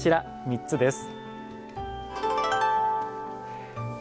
３つです。